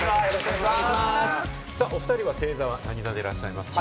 おふたりは星座は何座でいらっしゃいますか？